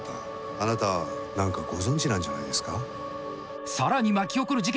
あなた何かご存じなんじゃないですか？